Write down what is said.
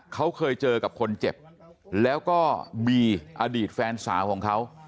เขาเคยเจอกับคนเจ็บแล้วก็บีอดีตแฟนสาวของเขา